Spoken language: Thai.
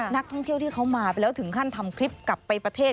นักท่องเที่ยวที่เขามาไปแล้วถึงขั้นทำคลิปกลับไปประเทศ